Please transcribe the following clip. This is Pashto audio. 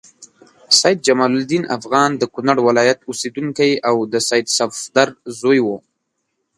سید جمال الدین افغان د کونړ ولایت اوسیدونکی او د سید صفدر زوی و.